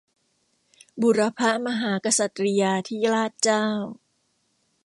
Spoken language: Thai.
บุรพมหากษัตริยาธิราชเจ้า